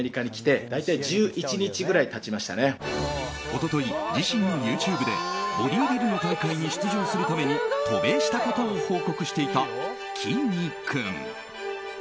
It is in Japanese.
一昨日自身のＹｏｕＴｕｂｅでボディービルの大会に出場するために渡米したことを報告していたきんに君。